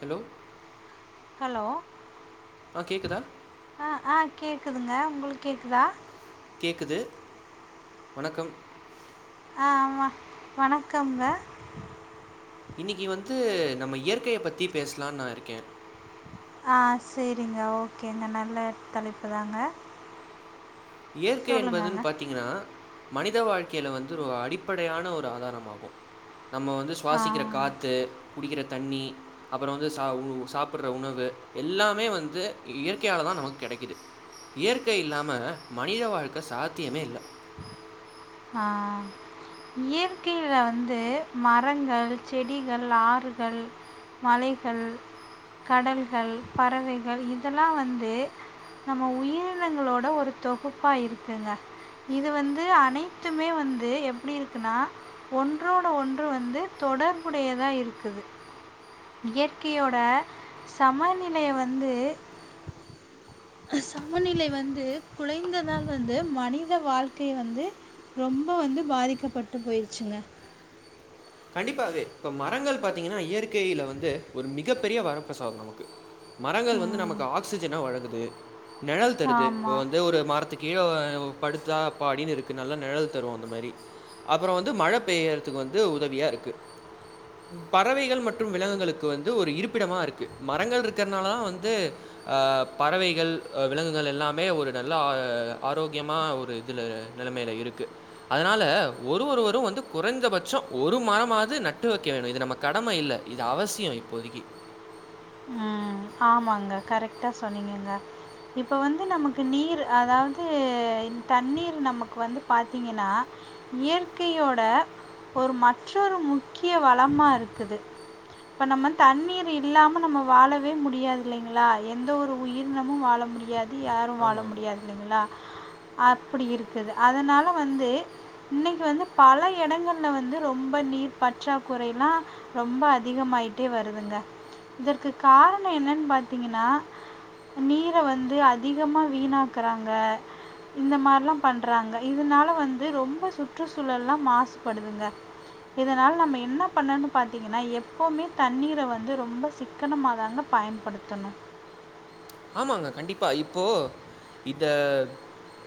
Hello hello ஆ கேக்குதா அ அ கேக்குதுங்க உங்ளுக்கு கேக்குதா கேக்குது வணக்கம் அ ஆமா வணக்கம்ங்க இன்னக்கி வந்து நம்ம இயற்கைய பத்தி பேசலான்னு நா இருக்கே ஆ சரிங்க ஓகேங்க நல்ல தலைப்புதாங்க இயற்கை என்பதுன்னு பாத்தீங்னா மனித வாழ்க்கையில வந்து ஒரு அடிப்படையான ஒரு ஆதாரமாகு நம்ம வந்து சொ சுவாசிக்கிற ஆ காத்து குடிக்ற தண்ணி அப்ரோ வந்து சா உ சாப்புற உணவு எல்லாமே வந்து இயற்கையாலதா நமக்கு கிடைக்குது இயற்கை இல்லாம மனித வாழ்க்க சாத்தியமே இல்ல ஆஹ் இயற்கைல வந்து மரங்கள் செடிகள் ஆறுகள் மலைகள் கடல்கள் பறவைகள் இதெல்லா வந்து நம்ம உயிரினங்களோட ஒரு தொகுப்பா இருக்குங்க இது வந்து அனைத்துமே வந்து எப்டி இருக்குன்னா ஒன்றோடு ஒன்று வந்து தொடர்புடையதா இருக்குது இயற்கையோட சமநிலைய வந்து சமநிலை வந்து குழைந்ததாள் வந்து மனித வாழ்க்கை வந்து ரொம்ப வந்து பாதிக்கப்பட்டு போயிடுச்சுங்க கண்டிப்பாவே இப்ப மரங்கள் பாத்தீங்கன்னா இயற்கையில வந்து ஒரு மிகப்பெரிய வரப்பிரசாதோ நமக்கு மரங்கள் வந்து ம். நமக்கு ஆக்சிஜன வழங்குது நிழல் தருது ஆமா. இப்ப வந்து ஒரு மரத்துக் கீழ ஒ படுத்தா அப்பாடினுருக்கு நல்லா நிழல் தரு அந்த மாரி அப்றோ வந்து மழ பெய்யறதுக்கு வந்து உதவியா இருக்கு பறவைகள் மற்றும் விலங்குகளுக்கு வந்து ஒரு இருப்பிடமா இருக்கு மரங்கள் இருக்கறனால தா வந்து ஆ பறவைகள் விலங்குகள் எல்லாமே ஒரு நல்லா ஆரோக்கியமா ஒரு இதுல நிலைமையில இருக்கு அதனால ஒரு ஒருவரு வந்து குறைந்தபட்சோ ஒரு மரமாவது நட்டு வைக்க வேணு இது நம்ம கடம இல்ல இது அவசியோ இப்போதைக்கி ஆ ஆமாங்க கரெக்ட்டாக சொன்னிங்கங்க இப்ப வந்து நமக்கு நீர் அதாவது தண்ணீர் நமக்கு வந்து பாத்தீங்கன்னா இயற்கையோட ஒரு மற்றொரு முக்கிய வளமா இருக்குது இப்ப நம்ம தண்ணீர் இல்லாம நம்ம வாழ வே முடியாது இல்லிங்களா எந்த ஒரு உயிரினமு வாழ முடியாது யாரு வாழ ஆமாமா. முடியாது இல்லிங்களா அப்பிடி இருக்குது அதனால வந்து இன்னிக்கி வந்து பல எடங்கள்ல வந்து ரொம்ப நீர் பற்றாக்குறைல்லா ரொம்ப அதிகமாயிட்டே வருதுங்க இதற்கு காரனோ என்னன்னு பாத்தீங்கன்னா நீர வந்து அதிகமா வீணாக்குறாங்க இந்த மாரில்லா பண்றாங்க இதனால வந்து ரொம்ப சுற்றுச்சூழல்லா மாசுபடுதுங்க இதனால நம்ம என்ன பண்ணனு பாத்தீங்கன்னா எப்பவுமே தண்ணீர வந்து ரொம்ப சிக் க்கணமாதாங்க பயன்படுத்தணு ஆமாங்க கண்டிப்பா இப்போ இத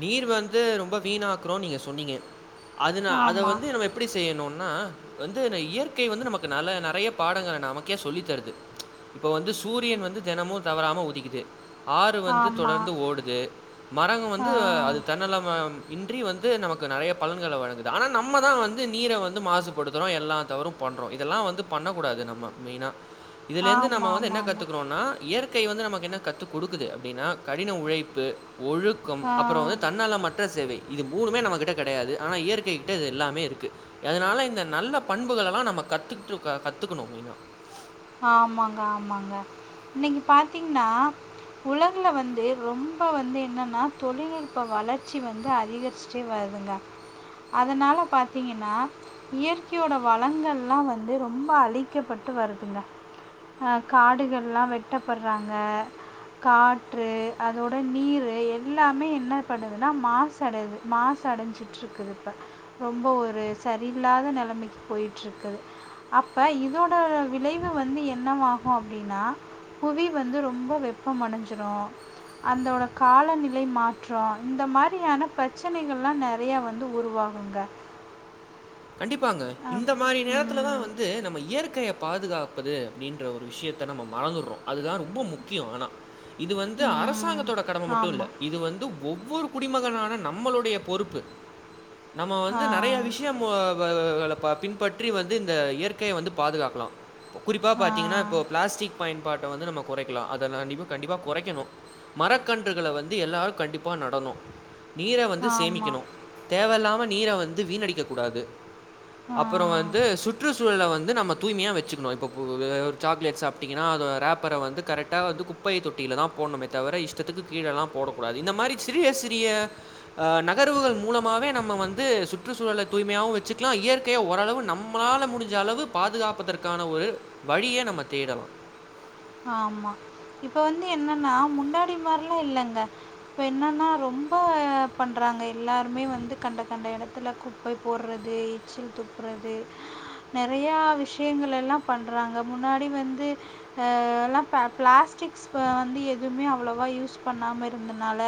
நீர் வந்து ரொம்ப வீணாகக்குறோனு நீங்க சொன்னீங்க அதுனா அத ஆமாம் வந்து நம்ம எப்டி செய்யணுன்னா வந்து இயற்கை வந்து நமக்கு நல்ல நெறைய பாடங்கள நமக்கே சொல்லித்தருது இப்ப வந்து சூரியன் வந்து தெனமு தவறாம உதிக்குது ஆறு வந்து ஆமாம் தொடர்ந்து ஓடுது மரங்க ஆ வந்து அது தன்னலம மின்றி வந்து நமக்கு நெறய பலன்கள வழங்குது ஆனா நம்மதா வந்து நீர வந்து மாசுபடுத்துறோ எல்லா தவரு பண்றோ இதெல்லா வந்து பண்ணக்கூடாது நம்ம மெயினா இதுல இருந்து நம்ம ஆமாம் வந்து என்ன ஆமாம் கத்துக்குரோன்னா இயற்கை வந்து நமக்கு என்ன கத்துக் குடுக்குது அப்டின்னா கடின உழைப்பு ஒழுக் க்கம் அப்றோ ஆமாம் வந்து தன்னலமற்ற சேவை இது மூணுமே நம கிட்ட கெடையாது ஆனா இயற்கை கிட்ட இது எல்லாமே இருக்கு அதனால இந்த நல்ல பண்புகலல்லா நம்ம கத்துக்கிட்டு கத்துக்கணு மெய்னா ஆமாங்க ஆமாங்க இன்னிக்கி பாத்தீங்கன்னா உலகுல வந்து ரொம்ப வந்து என்னன்னா தொழில்நுட்ப வளர்ச்சி வந்து அதிகரிச் சு வருதுங்க அதனால பாத்தீங்கன்னா இயற்கையோட வளங்கள்லா வந்து ரொம்ப அழிக்கப்பட்டு வருதுங்க ஆ காடுகள்ல்லா வெட்டப்பட்றாங்க காற்று அதோட நீரு எல்லாமே என்ன பண்ணுதுன்னா மாசு படுது மாசு அடஞ்சிட்டு இருக்குது இப்ப ரொம்ப ஒரு சரியில்லாத நெலமைக்கு போயிட்டு இருக்குது அப்ப இதோட விளை வு வந்து என்னவாகு அப்டின்னா புவி வந்து ரொம்ப வெப்பம் அடஞ்சுரு அந்தோட காலநிலை மாற்றோ இந்த மாரியான பிரச்சனைகள்ளா நறைய வந்து உருவா குங்க கண்டிப்பாங்க இந்த மாரி நேரத்துல தா உம் வந் து நம்ம இயற்கைய பாதுகாப்பது அப்டின்ற ஒரு விஷ்யத்த நம்ம மறந்துறோ அதுதா ரொம்ப முக்கியோ ஆனா இது வந்து உம் அரசாங்கத்தோட கடம மட்டு இல்ல ஆமாம் இது வந்து ஒவ்வொரு குடிமகனான நம்மளுடைய பொறுப்பு நம்ம ஆ வந்து நறைய விஷ்யோ மூதாதயர்கள ப பின்பற்றி வந்து இந்த இயற்கைய வந்து பாதுகாக்லா குறிப்பா ஆ பாத்தீங்ன்னா இப்போ பிளாஸ்டிக் பயன்பாட்ட வந்து நம்ம கொறைக்லா அத கண்டிப்பா கண்டிப்பா கொறைக்கணு மரக்கன்றுகள வந்து எல்லாரு கண்டிப்பா நடணு நீர வந்து சேமிக்கணு ஆமாம் தேவயில்லாம நீர வந்து வீணடிக்கக் கூடாது அப்றோ ஆ வந்து சுற் றுச்சூழல வந்து நம்ம தூய்மையா வச்சிக்ணு இப்போபு ஒரு சாக்லேட் சாப்டீங்கனா அது ரேப்பர வந்து கரெக்டா வந்து குப் பை தொட்டில தா போட்ணுமே தவிர இஷ்டத்துக்கு கீழல்லா போடக்கூடாது இந்த மாரி சிறிய சிறிய அ நக் நகர்வுகள் மூலமாவே நம்ம வந்து சுற்றுச்சூழல தூய்மையாவு வச்சுக்லா இயற்கைய ஓரளவு நம்மளால முடிஞ்ச அளவு பாதுகாப்பதற்கான ஒரு வழிய நம்ம தேடலா ஆமா இப்ப வந்து என்னன்னா முன்னாடி மார்ல்லா இல்லங்க இப்ப என்னன்னா ரொம்ப பண்றாங்க எல்லாருமே வந்து கண்ட கண்ட இடத்துல குப் பை போடுறது எச்சில் துப்றது நறையா விஷயங்கள் எல்லா பண்றாங்க முன்னாடி வந்து அ எல்லா ப பிளாஸ்டிக்ஸ் வந்து எதுமே அவ்ளோவா யூஸ் பண்ணாம இருந்தனால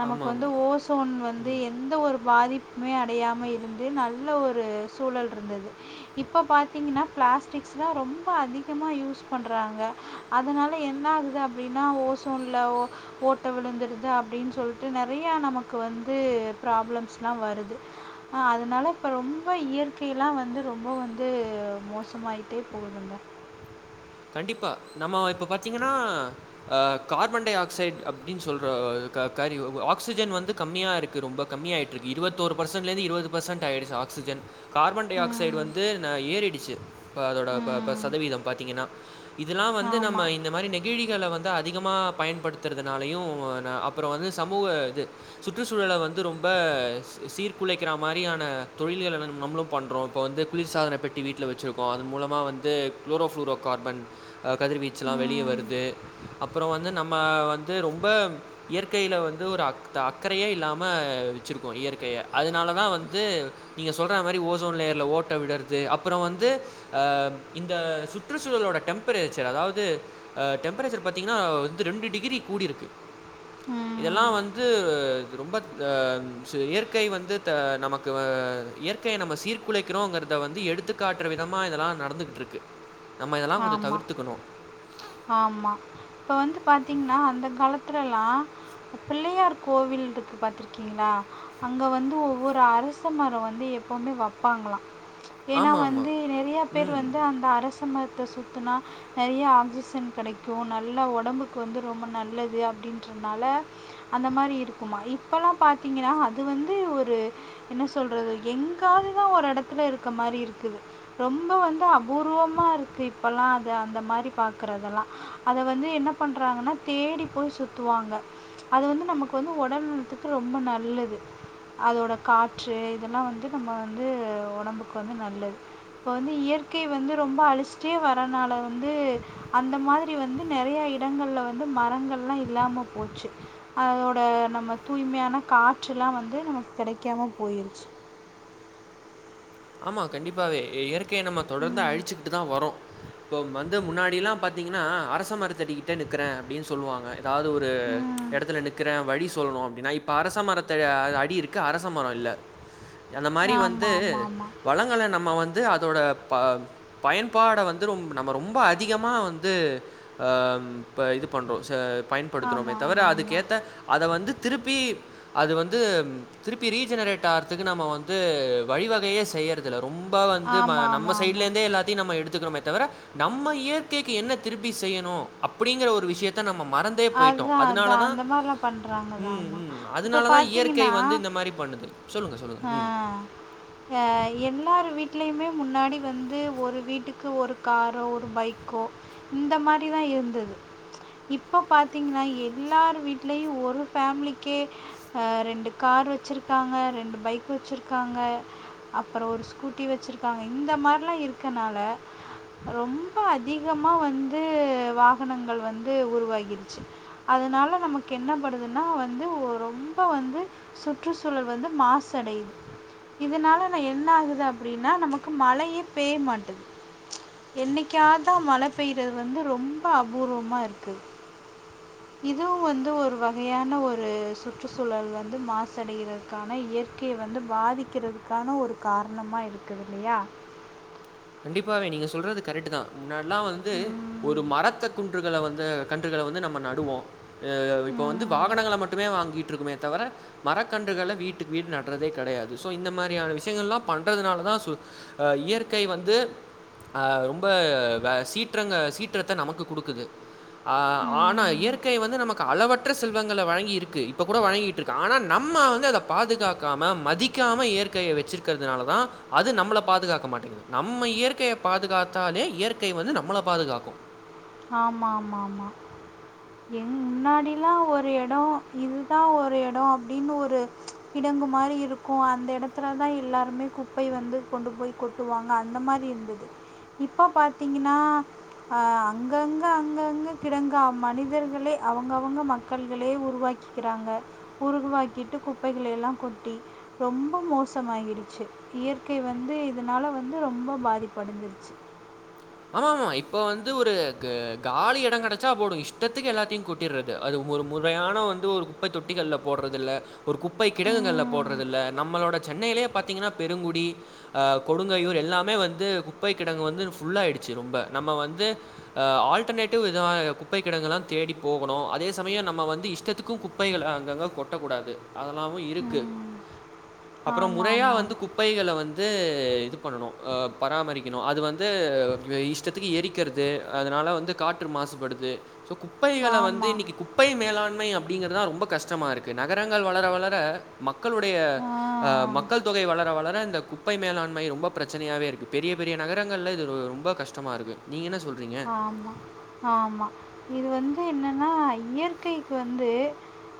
நமக்கு வந்து ஆமாமா. ஓசோன் வந்து எந்த ஒரு பாதிப் மே அடையாம இருந்து நல்ல ஒரு சூழல்ருந்தது இப்போ பாத்தீங்ன்னா பிளாஸ்டிக்ஸ் தா ரொம்ப அதிகமா யூஸ் பண் றாங்க அதனால என்ன ஆகுது அப்டின்னா ஓசோன்ல ஓ ட்ட விழுந்துடுது அப்டின் சொல்ட்டு நறையா நமக்கு வந்து ப்ராப்ளம்ஸ்ல்லா வருது ஆ அதனால இப்ப ரொம்ப இயற்கைலா வந்து ரொம்ப வந்து மோசமாயிட்டே போகுதுங்க கண்டிப்பா நம்ம இப்ப பாத்தீங்கன்னா அ கார்பன் டை ஆக்சைட் அப்டின் சொல்ற க கறி ஒ ஆக்சிஜன் வந்து கம்மியா இருக்கு ரொம்ப கம்மியாயிட்டு இருக்கு இருவத்தோரு பெர்சன்ட்ல இருந்து இருவது பெர்சன்ட் ஆயிடுச்சு ஆக்சிஜன் கார்பன் டை ஆக்சைடு ம் வந்து ந ஏறிடுச்சு இப்ப அதோட ப ப ம் சதவீதம் பாத்திங்கன்னா இதெல்லா வந்து நம்ம ஆமாம் இந்த மாரி நெ கிழிகள வந்து அதிகமா பயன்படுத்துறதுனாலயு ந அப்றோ வந்து சமூக இது சுற்றுச்சூழல வந்து ரொம்ப சி சீர்குலைக்கிற மாரியான தொழில்கள நம்ளு பண்றோ இப்போ வந்து குளிர்சாதன பெட்டி வீட்ல வச்சிருக்கோ அதன் மூலமா வந்து க்ளோரோஃப்ளூரோ கார்பன் அ கதிர்வீச்சுலா வெளியே ம் வருது அப்றோ வந்து நம்ம வந்து ரொம்ப இயற்கையில வந்து ஒரு அக் த அக்கறயே இல்லாம வச்சிருக்கோ இயற்கைய அதனாலதா வந்து நீங்க சொல்ற மாரி ஓசோன்லேயர்ல ஓட்ட விழறது அப்றோ வந்து அ இந்த சுற் ற்றுச்சூழலோட டெம்பரேச்சர் அதாவது அ டெம்பரேச்சர் பாத்தீங்கன்னா வந்து ரெண்டு டிகிரி கூடிருக்கு இதெல்லா ம் வந் து இது ரொம்பத் அ ம் சு இயற்கை வந்து த நமக்கு வ இயற்கைய நம்ம சீர்குலைக்றோங்றத வந்து எடுத்துக் காட்ற விதமா இதெல்லா நடந்துக்கிட்ருக்கு நம்ம இதெல்லா கொஞ்ச ஆமாம் தவிர்த்துக்கணு ஆமா இப்ப வந்து பாத்தீங்ன்னா அந்த காலத்துலல்லா பிள்ளையார் கோவில் இருக்கு பாத்திருக்கீங்ளா அங்க வந்து ஒவ்வொரு அரச மரம் வந்து எப்பவுமே வப்பாங்களா ஏனா ஆமா, ஆமா. வந்து நெறையா பேர் ம். வந்து அந்த அரசமத்த சுத்தனா நெறைய ஆக்சிஜன் கெடைக்கு நல்ல உடம்புக்கு வந்து ரொம்ப நல்லது அப்டின்றத்னால அந்த மாரி இருக்குமா இப்பல்லா பாத்தீங்கன்னா அது வந்து ஒரு என்ன சொல்றது எங்காவதுதா ஒரு எடத்துல இருக்க மாரி இருக்குது ரொம்ப வந்து அபூர்வமா இருக்கு இப்பல்லா அது அந்த மாரி பாக்கறதெல்லா அத வந்து என்ன பண்றாங்கன்னா தேடி போய் சுத்துவாங்க அது வந்து நமக்கு வந்து உடல் நலத்துக்கு ரொம்ப நல்லது அதோட காற்று இதெல்லா வந்து நம்ம வந்து உடம்புக்கு வந்து நல்லது இப்ப வந்து இயற்கை வந்து ரொம்ப அழிச்சிட்டே வரனால வந்து அந்த மாரி வந்து நெறைய இடங்கள்ல வந்து மரங்கள்லா இல்லாம போச்சு அதோட நம்ம தூய்மையான காற்றேல்லா வந்து நமக்கு கெடைக்காம போயிருச்சு ஆமா கண்டிப்பாவே இயற்கைய நம்ம தொடர்ந்து ம் அழிச்சுக்கிட்டுதா வரோ இப்போ வந்து முன்னாடியெல்லா பாத்தீங்கன்னா அரச மரத்தடிகிட்டே நிக்கிற‌ அப்டின் சொல்லுவாங்க அதாவது ஒரு ம் எடத்துல நிக்கறே வழி சொல்லணு அப்டின்னா இப்ப அரச மரத்த அடி இருக்கு அரச மரோ இல்ல அந்த மாரி வந்து ஆமாம் ஆமாம் வளங்கல நம்ம வந்து அதோட ப பயன்பாட வந்து ரொ நம்ம ரொம்ப அதிகமா வந்து ஆ ம் இது பண்றோ பயன்படுத்துறோமே ஆமாம் தவர ஆமாம் ஆமாம் அதுக்கேத்த அத வந்து திருப்பி அது வந்து திருப்பி ரீஜெனரேட் ஆறதுக்கு நம்ம வந்து வழிவகையே செய்யறதுல ரொம்ப வந்து ஆமாம் ஆமாம் நம்ம ஆமாம் சைட்லேந்தே எல்லாத்தையு நம்ம எடுத்துக்கறோமேத் தவிர நம்ம இயற்கைக்கு என்ன திருப்பி செய்யணு அப்படிங்கிற ஒரு விஷயத்தை நம்ம மறந் தே போயிட்டோ அதுதான் அதுதான் அதனாலதா அந்த மாதிரிலாம் பண்ணுறாங்க தா தான் ம் ஆமாம் ம் இப்போ அதனாலதா இயற்கை பார்த்தீங்கன்னா வந்து இந்த மாரி பண்ணுது சொல்லுங்க சொல்லுங்க ம் அ எல்லாரு வீட்லயுமே முன்னாடி வந்து ஒரு வீட்டுக் க்கு ஒரு காரோ ஒரு பைக்கோ இந்த மாரி தா இருந்தது இப்போ பாதீங்கன்னா எல்லார் வீட்லயும் ஒரு ஃபேமிலிக்கே அ ரெண்டு கார் வெச்சிருக்காங்க ரெண்டு பைக் வெச்சிருக்காங்க அப்புற ஒரு ஸ்கூட்டி வெச்சிருக்காங்க இந்த மாரிலா இருக்கனால ரொம்ப அதிகமா வந்து வாகனங்கள் வந்து உருவாயி கிருச்சி அதனால நமக்கு என்ன படுதுன்னா வந்து ரொம்ப வந்து சுற்றுச்சூழல் வந்து மாசு அடையுது இதனால நா என்ன ஆகுது அப்டின்னா நமக்கு மழையே பெய்ய மாட்டது என்னைக்காதா மழ பெயறது வந்து ரொம்ப அபூர்வமா இருக்கு இதுவு வந்து ஒரு வகையான ஒரு சுற்றுச்சூழல் வந்து மாசடைகிறது க்கான இயற்கை வந்து பாதிக்கிறதுக்கான ஒரு காரணமாக இருக்குது இல்லையா கண்டிப்பாவே நீங்க சொல்றது கரெக்ட் தா முன்னடில்லா வந்து ஒரு ம் மரத்த குன்றுகள வந்து கன்றுகள வந்து நம்ம நடுவோ ஹெ இப்போ வந்து ம் வாகனங்கள மட்டுமே வாங்கிட்டு ருக்குமே தவர மரக்கன்றுகள வீட்டுக்கு வீடு நட்டறதே கெடையாது ஸோ இந்த மாரியான விஷயங்கள்லா பண்றதுனால தா சு அ இயற்க் கை வந்து ரொம்ப சீற்றங்க சீற்றத்த நமக்கு குடுக்குது அ ஆனா ம் இயற்கை வந்து நமக் க அளவற்ற செல்வங்களை வழங்கி இருக்கு இப்ப கூட வழங்கிட்டு இருக்கு ஆனா நம்ம வந்து அத பாதுகாக்காம மதிக் காம இயற்கையை வச்சிருக்கிறதுனால தா அது நம்மள பாதுகாக்க மாட்டேங்குது நம்ம இயற்கையை பாதுகாத்தாலே இயற்கை வந்து நம்மள பாதுகாக்கு ஆமா ஆமா ஆமா எ முன்னாடிலா ஒரு இடோ இதுதா ஒரு இடோ அப்டின்னு ஒரு இடங்கு மாரி இருக்கு அந்த இடத்துல தா எல்லாருமே குப்பை வந்து கொண்டு போய் கொ டுவாங்க அந்த மாரி இருந்தது இப்ப பாத்தீங்கன்னா ஆ அங்கங்க அங்கங்க கிடங்க மனிதர்களே அவுங்க அவுங்க மக்கள்களே உருவாக்கிக்கிறாங்க உருகுவாக்கிட்டு குப்பைகள எல்லா கொட்டி ரொம்ப மோசாமாகிடுச்சு இயற்கை வந்து இதுனால வந்து ரொம்ப பாதிப்படஞ்சுருச்சு ஆமா ஆமா இப்ப வந்து ஒரு க காலி எடோ கிடைச்சா போடு இஷ்டத்துக்கு எல்லாத்தையு கொட் டிறது அது ஒரு முறையான வந்து ஒரு குப்பை தொட்டிகள்ல போட்றது இல்ல ஒரு குப்பை கிடங்குகள்ல போட்றதுல்ல நம்மளோட சென்னையிலயே பாத்தீங்கன்னா பெருங்குடி ஆ கொடுங்கையூர் எல்லாமே வந்து குப்பை கிடங்கு வந்து ஃபுல்லாயிடுச்சு ரொம்ப நம்ம வந்து ஆ ஆல்டர்னேட்டிவ் இத குப்பை கெடங்கல்லா தேடி போகணு அதே சமயோ நம்ம வந்து இஷ்டத்துக்கு குப் குப்பைகள அங்கங்க கொட்டக்க கூடாது அதெல்லாமு இருக்கு அப்றோ ஆமாம் முறையா ஆமாம் ஆமாம் வந்து குப் குப்பைகள வந்து இது பண்ணணு ஆ பராமரிக்கணு அது வந்து இத இஷ்டத்துக்கு எரிக்றது அதனால வந்து காற்று மாசுபடுது ஸோ குப்பைகள வந்து ஆமாம் இன்னைக்கு குப் குப்பை மேலாண்மை அப்டிங்கிறதுதா ரொம்ப கஷ்டமா இருக்கு நகரங்கள் வளர வளர மக்களுடைய ஆ மக்கள் தொகை வளர வளர இந்த கு குப்பை மேலாண்மை ரொம்ப பிரச்சனையாவே இருக்குது பெரிய பெரிய நகரங்கள்ல இது ரொம்ப கஷ்டமாக இருக்குது நீங்க என சொல்றீங்க ஆமா ஆமா இது வந்து எனன்னா இயற்கைக்கு வந்து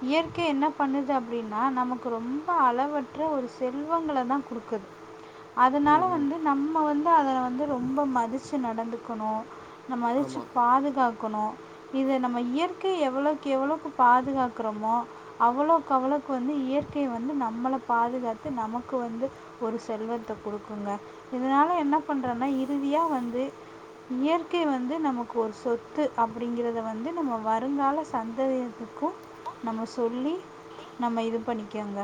இயற்கை என்ன பண்ணுது அப்டின்னா நமக்கு ரொம்ப அளவற்ற ஒரு செல்வங்களதா குடுக்குது அதனால ம், ம். வந்து நம்ம வந்து அத வந்து ரொம்ப மதிச்சு நடந்துக்கணு அத மதிச்சு ஆமா, பாதுகாக் கணு இத நம்ம இயற்கையை எவ்ளோக்கு எவ்ளோக்கு பாதுகாக்றோமோ அவ்ளோக்கு அவ்ளோக்கு வந்து இயற்கை வந்து நம்மள பாதுகாத்து நமக்கு வந்து ஒரு செல்வத்த குடுக்குங்க இதனால என்ன பண்றேன்னா இறுதியா வந்து இயற்கை வந்து நமக்கு ஒரு சொத்து அப்டிங்கறத வந்து நம்ம வருங்கால சந்ததியத்துக்கு நம்ம சொல்லி நம்ம இது பண்ணிக்கங்க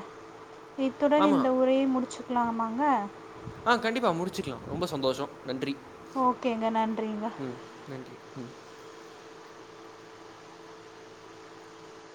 இத்துடன் ஆமா. இந்த உரையை முடிச்சுக்லாமாங்க ஆ கண்டிப்பா முடிச்சுக்லா ரொம்ப சந்தோஷோ நன்றி ஓகேங்க நன்றிங்க ம் நன்றி ம்